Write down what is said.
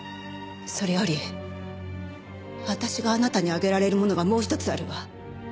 それより私があなたにあげられるものがもう１つあるわ。